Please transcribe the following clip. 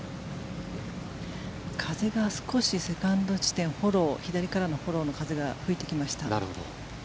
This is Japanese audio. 風が少しセカンド地点左からのフォローの風が吹いてきました。